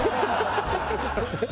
ハハハハ！